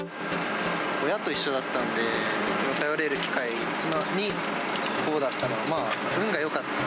親と一緒だったんで、頼れる機会にこうだったのは、運がよかった。